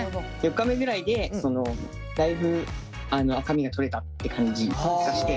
４日目ぐらいでだいぶ赤みが取れたって感じがして。